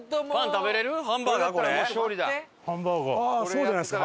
そうじゃないですか？